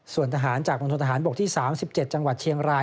ส่วนทหารจากมณฑนทหารบกที่๓๗จังหวัดเชียงราย